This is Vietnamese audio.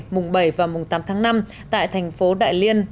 mùng bảy và mùng tám tháng năm tại thành phố đại liên